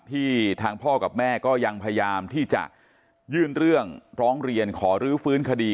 ที่ทางพ่อกับแม่ก็ยังพยายามที่จะยื่นเรื่องร้องเรียนขอรื้อฟื้นคดี